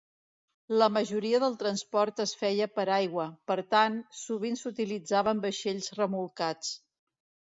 La majoria del transport es feia per aigua, per tant, sovint s'utilitzaven vaixells remolcats.